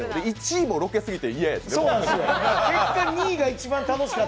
１位もロケすぎて嫌やしな。